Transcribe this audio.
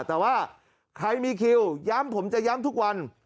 แต่ว่าใครมีคิวย้ำผมจะย้ำทุกวัน